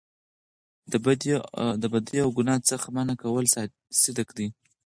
د بدۍ او ګناه څخه منع کول صدقه ده